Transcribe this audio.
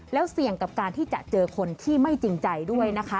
แล้วเสี่ยงกับการที่จะเจอคนที่ไม่จริงใจด้วยนะคะ